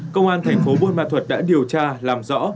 công an thành phố buôn ma thuật đã điều tra làm rõ